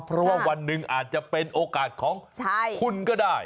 เพราะว่าวันหนึ่งอาจจะเป็นโอกาสของคุณก็ได้